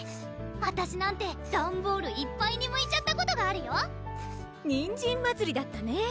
あたしなんて段ボールいっぱいにむいちゃったことがあるよにんじん祭りだったね